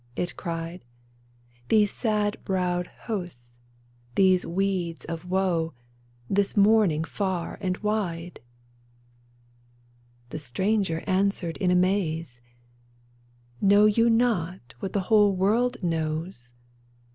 it cried, ''These sad browed hosts, these weeds of woe, This mourning far and wide ?" The stranger answered in amaze —" Know you not what the whole world knows